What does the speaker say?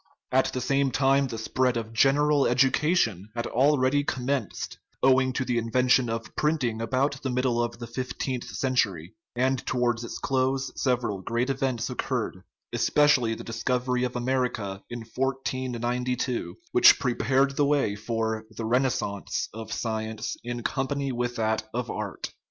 At the same time the spread of general education had already commenced, owing to the invention of printing about the middle of the fifteenth century; and towards its close several great events occurred, especially the dis covery of America in 1492, which prepared the way for THE RIDDLE OF THE UNIVERSE the "renaissance " of science in company with that of art.